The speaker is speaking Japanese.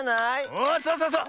おそうそうそう！